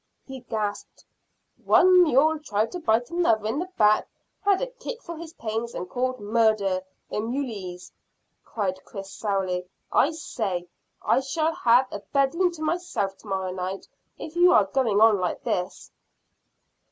he gasped. "One mule tried to bite another in the back, had a kick for his pains, and called `Murder!' in mulese," said Chris sourly. "I say, I shall have a bed room to myself to morrow night if you're going on like this."